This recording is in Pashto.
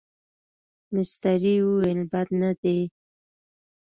مستري وویل بد نه دي.